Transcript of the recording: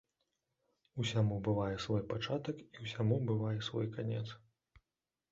Усяму бывае свой пачатак, і ўсяму бывае свой канец.